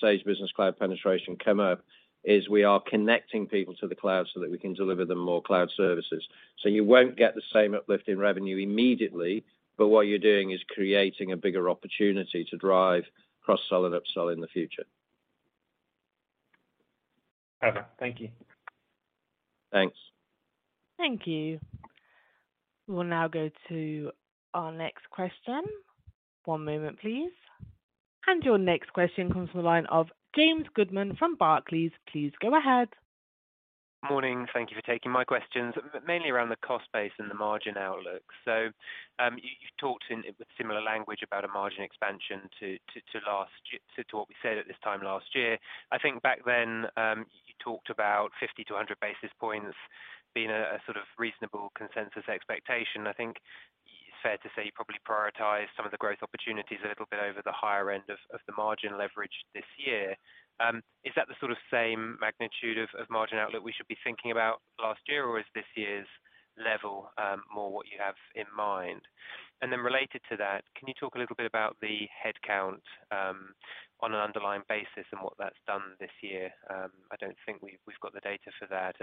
Sage Business Cloud penetration come up, is we are connecting people to the cloud so that we can deliver them more cloud services. You won't get the same uplift in revenue immediately, but what you're doing is creating a bigger opportunity to drive cross-sell and upsell in the future. Okay. Thank you. Thanks. Thank you. We'll now go to our next question. One moment, please. Your next question comes from the line of James Goodman from Barclays. Please go ahead. Morning. Thank you for taking my questions, mainly around the cost base and the margin outlook. You have talked in similar language about a margin expansion to what we said at this time last year. I think back then, you talked about 50-100 basis points being a sort of reasonable consensus expectation. I think it's fair to say you probably prioritize some of the growth opportunities a little bit over the higher end of the margin leverage this year. Is that the sort of same magnitude of margin outlook we should be thinking about last year, or is this year's level more what you have in mind? Related to that, can you talk a little bit about the headcount on an underlying basis and what that's done this year? I don't think we've got the data for that.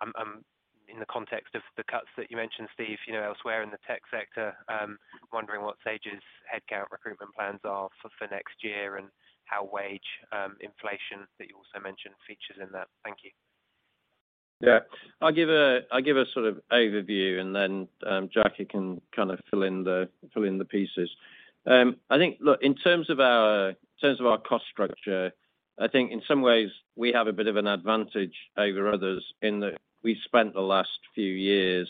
I'm in the context of the cuts that you mentioned, Steve, you know, elsewhere in the tech sector, wondering what Sage's headcount recruitment plans are for next year and how wage inflation that you also mentioned features in that. Thank you. Yeah. I'll give a sort of overview, and then, Jacqui can kind of fill in the pieces. I think in terms of our cost structure, in some ways we have a bit of an advantage over others in that we spent the last few years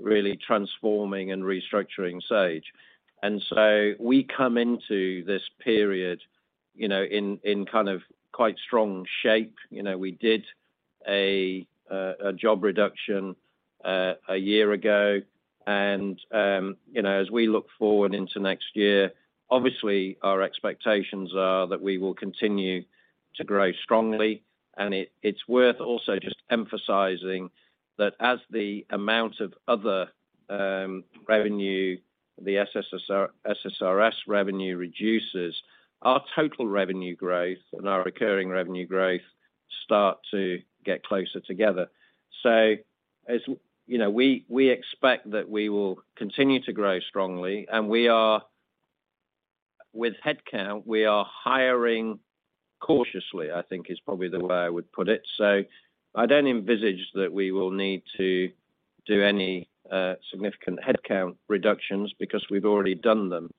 really transforming and restructuring Sage. We come into this period, you know, in kind of quite strong shape. You know, we did a job reduction a year ago. You know, as we look forward into next year, obviously our expectations are that we will continue to grow strongly. It's worth also just emphasizing that as the amount of other revenue, the SSRS revenue reduces, our total revenue growth and our recurring revenue growth start to get closer together. You know, we expect that we will continue to grow strongly, and we are with headcount. We are hiring cautiously, I think, is probably the way I would put it. I don't envisage that we will need to do any significant headcount reductions because we've already done them.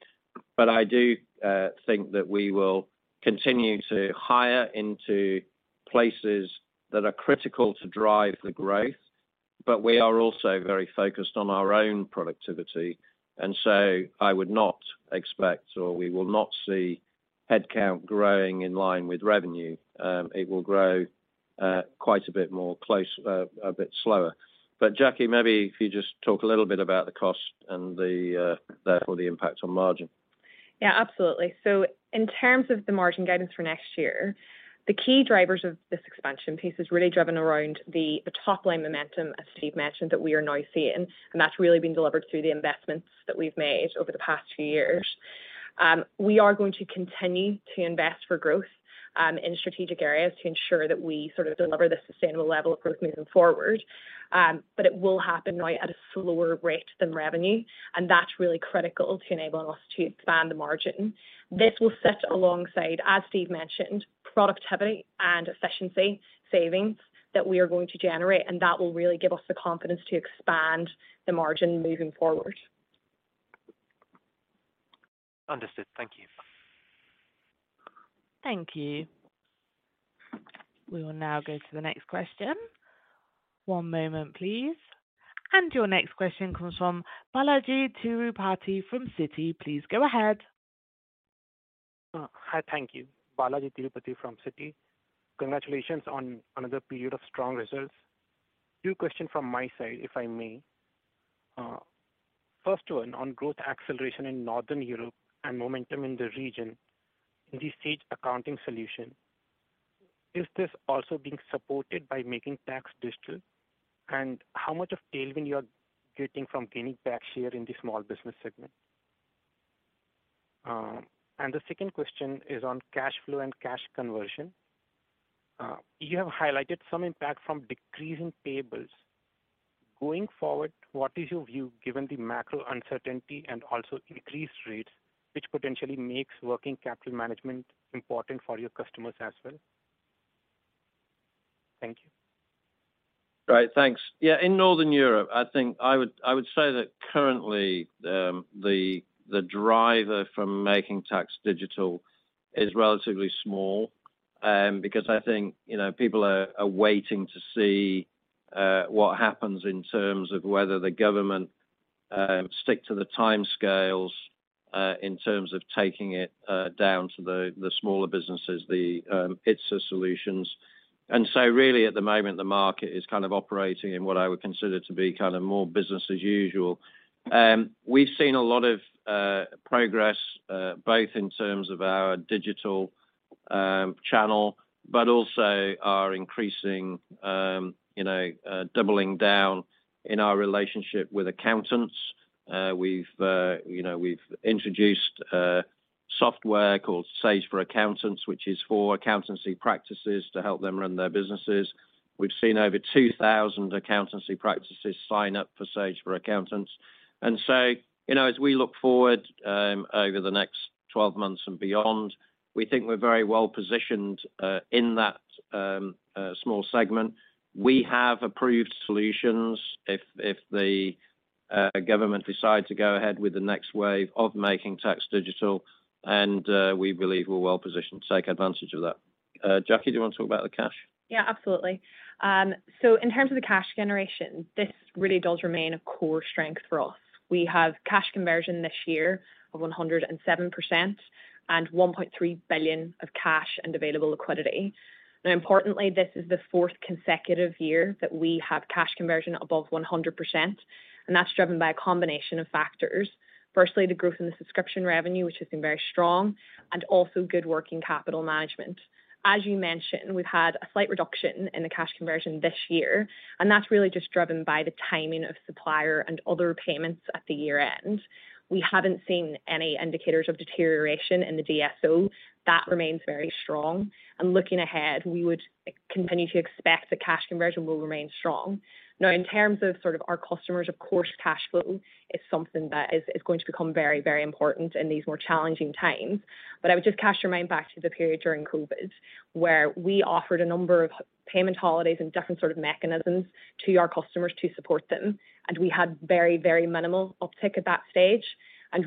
I do think that we will continue to hire into places that are critical to drive the growth, but we are also very focused on our own productivity. I would not expect, or we will not see headcount growing in line with revenue. It will grow quite a bit more slowly. Jacqui, maybe if you just talk a little bit about the costs and therefore the impact on margin. Yeah, absolutely. In terms of the margin guidance for next year, the key drivers of this expansion piece is really driven around the top-line momentum, as Steve mentioned, that we are now seeing, and that's really been delivered through the investments that we've made over the past few years. We are going to continue to invest for growth in strategic areas to ensure that we sort of deliver the sustainable level of growth moving forward. It will happen now at a slower rate than revenue, and that's really critical to enabling us to expand the margin. This will sit alongside, as Steve mentioned, productivity and efficiency savings that we are going to generate, and that will really give us the confidence to expand the margin moving forward. Understood. Thank you. Thank you. We will now go to the next question. One moment, please. Your next question comes from Balajee Tirupati from Citi. Please go ahead. Hi. Thank you. Balajee Tirupati from Citi. Congratulations on another period of strong results. Two questions from my side, if I may. First one on growth acceleration in Northern Europe and momentum in the region, the Sage Accounting solution, is this also being supported by Making Tax Digital? How much of tailwind you are getting from gaining back share in the small business segment? The second question is on cash flow and cash conversion. You have highlighted some impact from decreasing payables. Going forward, what is your view, given the macro uncertainty and also increased rates, which potentially makes working capital management important for your customers as well? Thank you. Right. Thanks. Yeah. In Northern Europe, I think I would say that currently, the driver from Making Tax Digital is relatively small, because I think, you know, people are waiting to see what happens in terms of whether the government stick to the timescales in terms of taking it down to the smaller businesses, the ITSA solutions. Really at the moment, the market is kind of operating in what I would consider to be kind of more business as usual. We've seen a lot of progress both in terms of our digital channel, but also our increasing, you know, doubling down in our relationship with accountants. We've, you know, we've introduced software called Sage for Accountants, which is for accountancy practices to help them run their businesses. We've seen over 2,000 accountancy practices sign up for Sage for Accountants. You know, as we look forward, over the next 12 months and beyond, we think we're very well-positioned, in that, small segment. We have approved solutions if the government decide to go ahead with the next wave of Making Tax Digital, and we believe we're well-positioned to take advantage of that. Jacqui, do you want to talk about the cash? Yeah, absolutely. So in terms of the cash generation, this really does remain a core strength for us. We have cash conversion this year of 107% and 1.3 billion of cash and available liquidity. Now importantly, this is the fourth consecutive year that we have cash conversion above 100%, and that's driven by a combination of factors. Firstly, the growth in the subscription revenue, which has been very strong, and also good working capital management. As you mentioned, we've had a slight reduction in the cash conversion this year, and that's really just driven by the timing of supplier and other payments at the year-end. We haven't seen any indicators of deterioration in the DSO. That remains very strong. Looking ahead, we would continue to expect the cash conversion will remain strong. Now, in terms of sort of our customers, of course, cash flow is something that is going to become very, very important in these more challenging times. I would just cast your mind back to the period during COVID, where we offered a number of payment holidays and different sort of mechanisms to our customers to support them. We had very, very minimal uptick at that stage.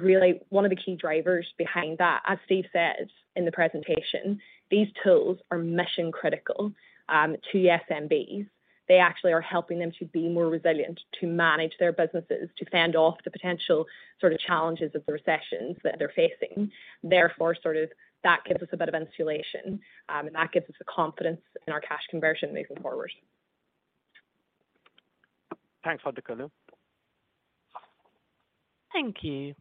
Really one of the key drivers behind that, as Steve said in the presentation, these tools are mission-critical to SMBs. They actually are helping them to be more resilient, to manage their businesses, to fend off the potential sort of challenges of the recessions that they're facing. Therefore, sort of that gives us a bit of insulation, and that gives us the confidence in our cash conversion moving forward. Thanks for the color. Thank you.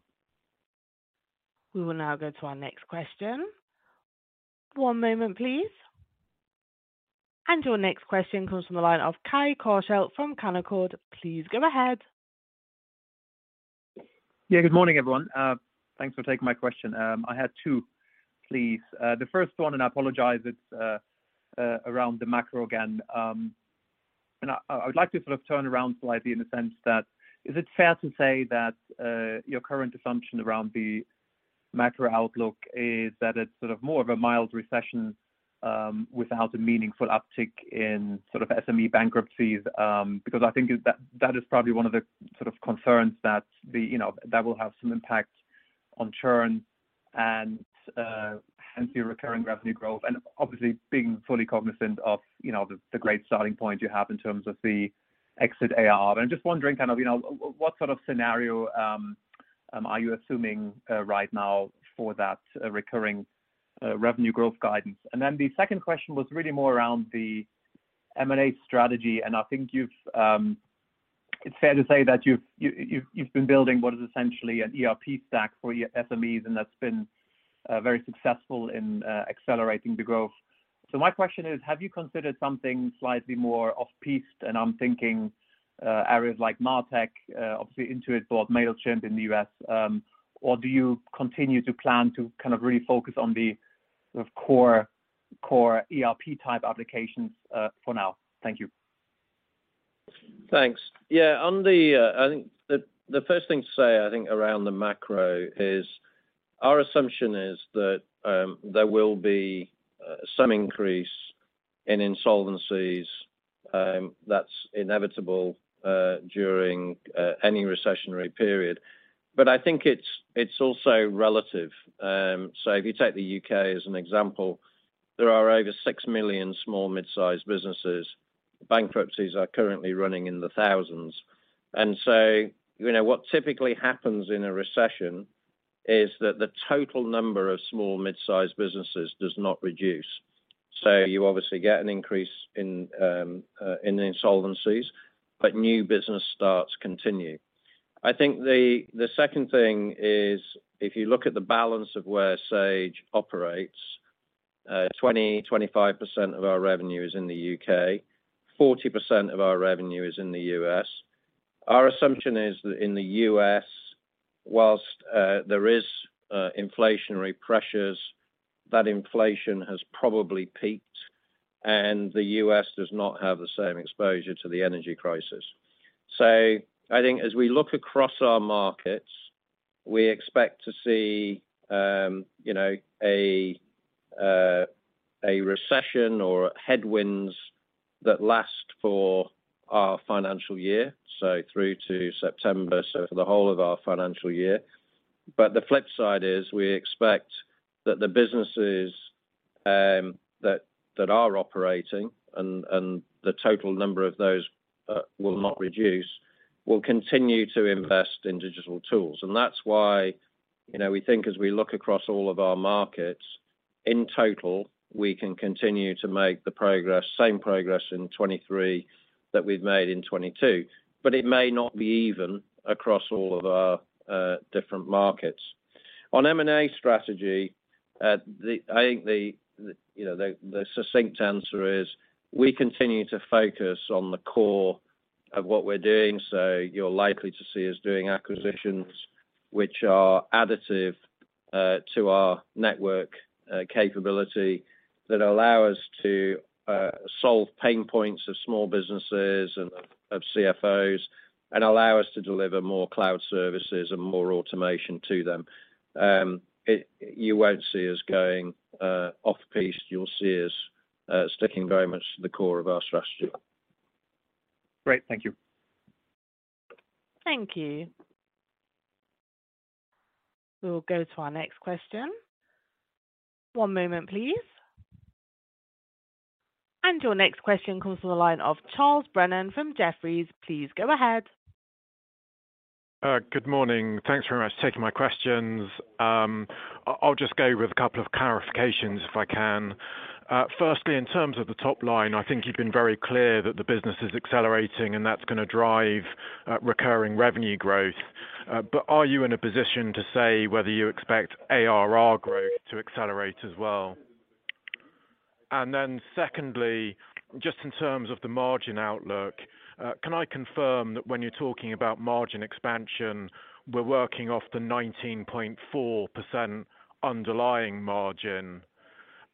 We will now go to our next question. One moment, please. Your next question comes from the line of Kai Korschelt from Canaccord. Please go ahead. Yeah. Good morning, everyone. Thanks for taking my question. I had two, please. The first one, and I apologize, it's around the macro again. I would like to sort of turn around slightly in the sense that, is it fair to say that your current assumption around the macro outlook is that it's sort of more of a mild recession without a meaningful uptick in sort of SME bankruptcies? Because I think that is probably one of the sort of concerns that, you know, will have some impact on churn and hence your recurring revenue growth. Obviously being fully cognizant of, you know, the great starting point you have in terms of the exit AR. I'm just wondering kind of, you know, what sort of scenario are you assuming right now for that recurring revenue growth guidance? Then the second question was really more around the M&A strategy, and I think it's fair to say that you've been building what is essentially an ERP stack for your SMEs, and that's been very successful in accelerating the growth. My question is, have you considered something slightly more off-piste, and I'm thinking areas like MarTech, obviously Intuit bought Mailchimp in the U.S. or do you continue to plan to kind of really focus on the sort of core ERP-type applications for now? Thank you. Thanks. Yeah, on the, I think the first thing to say, I think, around the macro is our assumption is that, there will be, some increase in insolvencies, that's inevitable, during any recessionary period. But I think it's also relative. So if you take the U.K. as an example, there are over 6 million small mid-sized businesses. Bankruptcies are currently running in the thousands. You know, what typically happens in a recession is that the total number of small mid-sized businesses does not reduce. You obviously get an increase in insolvencies, but new business starts continue. I think the second thing is if you look at the balance of where Sage operates, 25% of our revenue is in the U.K., 40% of our revenue is in the US. Our assumption is that in the U.S. while there is inflationary pressures, that inflation has probably peaked, and the U.S does not have the same exposure to the energy crisis. I think as we look across our markets, we expect to see, you know, a recession or headwinds that last for our financial year, so through to September, so for the whole of our financial year. The flip side is we expect that the businesses that are operating and the total number of those will not reduce, will continue to invest in digital tools. That's why, you know, we think as we look across all of our markets, in total, we can continue to make the progress, same progress in 2023 that we've made in 2022. It may not be even across all of our different markets. On M&A strategy, I think you know the succinct answer is we continue to focus on the core of what we're doing, so you're likely to see us doing acquisitions which are additive to our network capability that allow us to solve pain points of small businesses and of CFOs and allow us to deliver more cloud services and more automation to them. You won't see us going off piste. You'll see us sticking very much to the core of our strategy. Great. Thank you. Thank you. We'll go to our next question. One moment, please. Your next question comes from the line of Charles Brennan from Jefferies. Please go ahead. Good morning. Thanks very much for taking my questions. I'll just go with a couple of clarifications if I can. Firstly, in terms of the top line, I think you've been very clear that the business is accelerating, and that's gonna drive recurring revenue growth. But are you in a position to say whether you expect ARR growth to accelerate as well? And then secondly, just in terms of the margin outlook, can I confirm that when you're talking about margin expansion, we're working off the 19.4% underlying margin?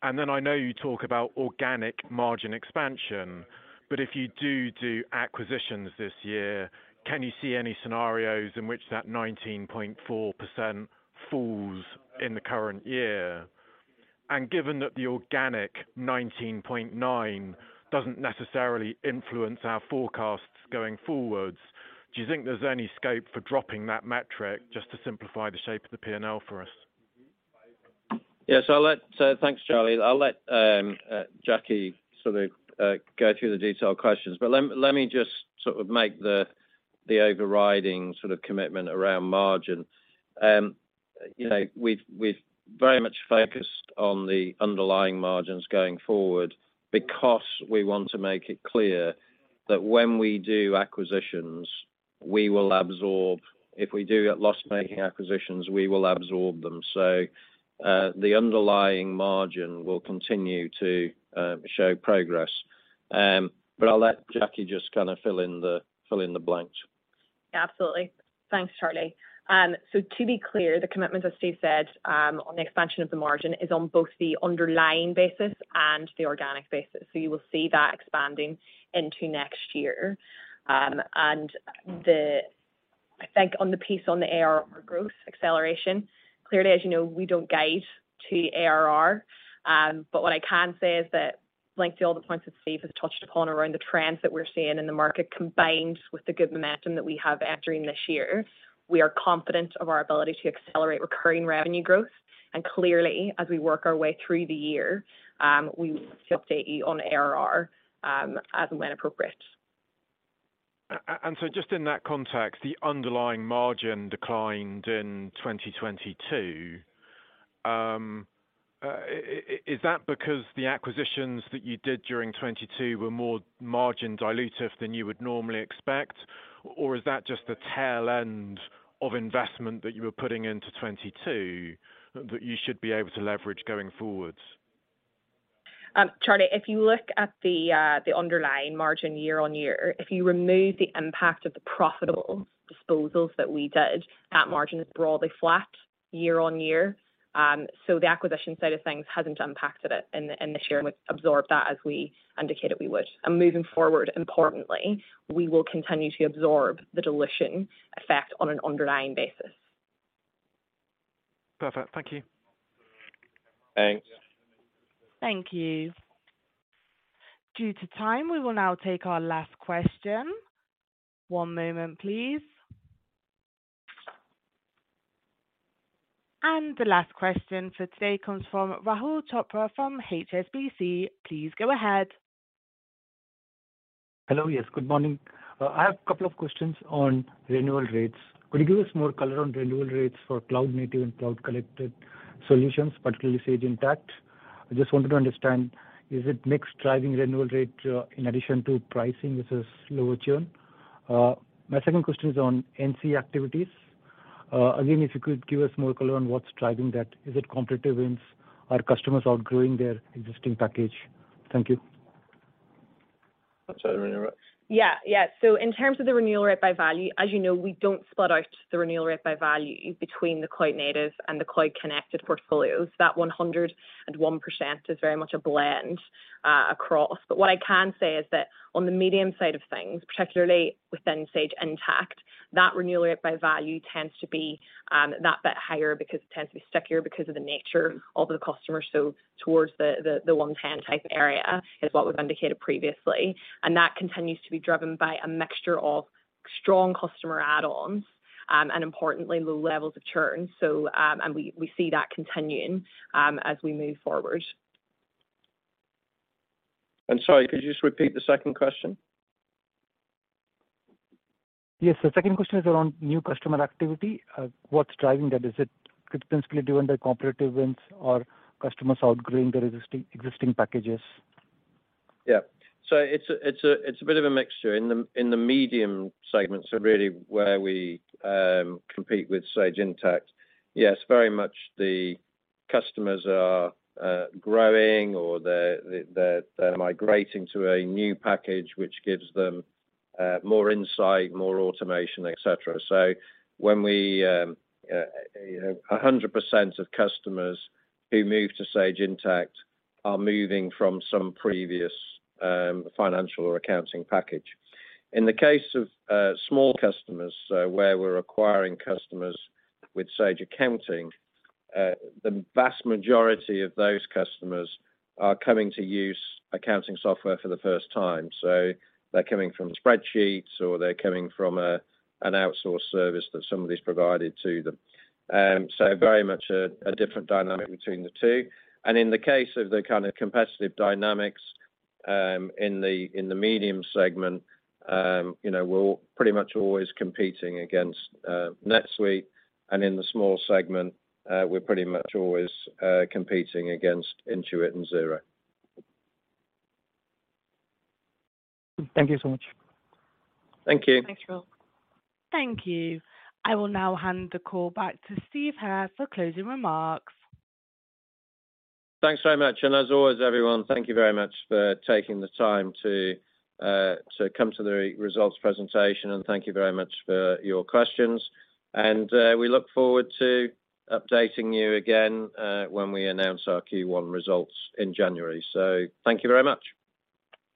And then I know you talk about organic margin expansion, but if you do acquisitions this year, can you see any scenarios in which that 19.4% falls in the current year? Given that the organic 19.9% doesn't necessarily influence our forecasts going forwards, do you think there's any scope for dropping that metric just to simplify the shape of the P&L for us? Yes. Thanks, Charlie. I'll let Jacqui sort of go through the detailed questions, but let me just sort of make the overriding sort of commitment around margin. You know, we've very much focused on the underlying margins going forward because we want to make it clear that when we do acquisitions, we will absorb. If we do get loss-making acquisitions, we will absorb them. The underlying margin will continue to show progress. I'll let Jacqui just kinda fill in the blanks. Absolutely. Thanks, Charlie. To be clear, the commitment, as Steve said, on the expansion of the margin is on both the underlying basis and the organic basis. You will see that expanding into next year. I think on the piece on the ARR growth acceleration, clearly, as you know, we don't guide to ARR. But what I can say is that linked to all the points that Steve has touched upon around the trends that we're seeing in the market combined with the good momentum that we have entering this year, we are confident of our ability to accelerate recurring revenue growth. Clearly, as we work our way through the year, we will update you on ARR, as and when appropriate. Just in that context, the underlying margin declined in 2022. Is that because the acquisitions that you did during 2022 were more margin dilutive than you would normally expect, or is that just the tail end of investment that you were putting into 2022 that you should be able to leverage going forward? Charles, if you look at the underlying margin year-over-year, if you remove the impact of the profitable disposals that we did, that margin is broadly flat year-over-year. So the acquisition side of things hasn't impacted it in this year, and we've absorbed that as we indicated we would. Moving forward, importantly, we will continue to absorb the dilution effect on an underlying basis. Perfect. Thank you. Thanks. Thank you. Due to time, we will now take our last question. One moment please. The last question for today comes from Rahul Chopra from HSBC. Please go ahead. Hello. Yes, good morning. I have a couple of questions on renewal rates. Could you give us more color on renewal rates for cloud-native and cloud-connected solutions, particularly Sage Intacct? I just wanted to understand, is it mixed driving renewal rate, in addition to pricing versus lower churn? My second question is on M&A activities. Again, if you could give us more color on what's driving that. Is it competitive wins or customers outgrowing their existing package? Thank you. Sorry, renewal rates? In terms of the renewal rate by value, as you know, we don't split out the renewal rate by value between the cloud-native and the cloud-connected portfolios. That 101% is very much a blend across. But what I can say is that on the medium side of things, particularly within Sage Intacct, that renewal rate by value tends to be that bit higher because it tends to be stickier because of the nature of the customer. Towards the 110% type area is what we've indicated previously. That continues to be driven by a mixture of strong customer add-ons and importantly, low levels of churn. We see that continuing as we move forward. Sorry, could you just repeat the second question? Yes. The second question is around new customer activity. What's driving that? Is it principally driven by competitive wins or customers outgrowing their existing packages? Yeah. It's a bit of a mixture. In the medium segment, really where we compete with Sage Intacct. Yes, very much the customers are growing or they're migrating to a new package, which gives them more insight, more automation, et cetera. When we you know 100% of customers who move to Sage Intacct are moving from some previous financial or accounting package. In the case of small customers, where we're acquiring customers with Sage Accounting, the vast majority of those customers are coming to use accounting software for the first time. They're coming from spreadsheets, or they're coming from an outsourced service that somebody's provided to them. Very much a different dynamic between the two. In the case of the kind of competitive dynamics, in the medium segment, you know, we're pretty much always competing against NetSuite, and in the small segment, we're pretty much always competing against Intuit and Xero. Thank you so much. Thank you. Thanks, Rahul. Thank you. I will now hand the call back to Steve Hare for closing remarks. Thanks very much. As always, everyone, thank you very much for taking the time to come to the results presentation, and thank you very much for your questions. We look forward to updating you again when we announce our Q1 results in January. Thank you very much.